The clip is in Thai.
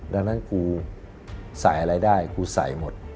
ดังนั้นกูใส่อะไรได้กูใส่หมด